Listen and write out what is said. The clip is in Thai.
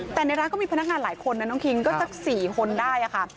แต่ในร้านก็มีพนักงานหลายคนนะน้องคิงก็สัก๔คนได้ค่ะ